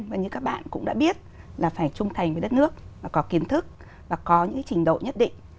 và như các bạn cũng đã biết là phải trung thành với đất nước và có kiến thức và có những trình độ nhất định